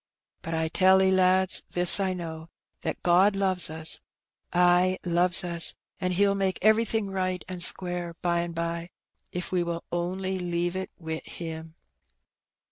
But I tell *e, lads, this I know, that God loves ns, ay, loves us, and He'll make everything right and square by and bye, if we will only leave it wi' Him."